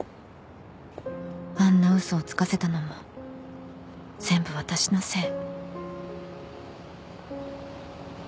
あんな嘘をつかせたのも全部私のせい